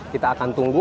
kita akan tunggu